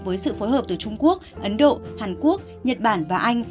với sự phối hợp từ trung quốc ấn độ hàn quốc nhật bản và anh